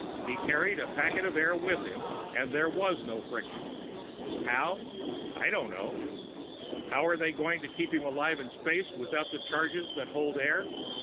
"He carried a packet of air with him and there was no friction. How? I don't know. How are they going to keep him alive in space, without the charges that hold air?